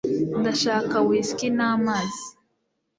ndashaka whisky n'amazi